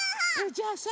じゃあさ